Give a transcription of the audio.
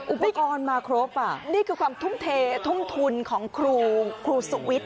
อุปกรณ์มาครบอ่ะนี่คือความทุ่มเททุ่มทุนของครูสุวิทย์